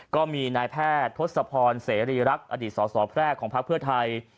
ก็มีนายแพทย์ทศพรเสรีรักษ์อดีตสสแพร่ของพักเพื่อไทย